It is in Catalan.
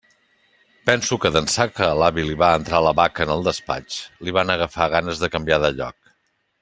Penso que, d'ençà que a l'avi li va entrar la vaca en el despatx, li van agafar ganes de canviar de lloc.